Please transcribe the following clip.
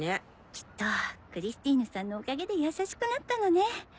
きっとクリスティーヌさんのおかげで優しくなったのね。